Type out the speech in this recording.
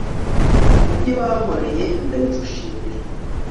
kubyo wankoreye nda bigushimira